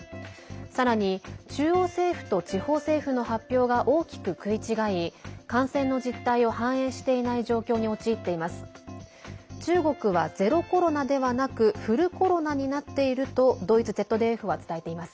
さらに、中央政府と地方政府の発表が大きく食い違い感染の実態を反映していない状況に陥っています。